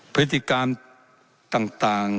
พฤติกรรมต่าง